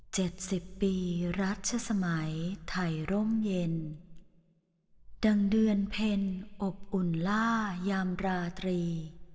สิบปีรัชสมัยไทยร่มเย็นดังเดือนเพ็ญอบอุ่นล่ายามราตรี